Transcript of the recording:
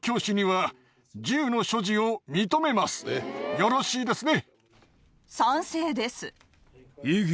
よろしいですね？